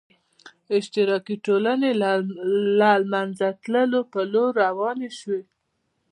اشتراکي ټولنې د له منځه تلو په لور روانې شوې.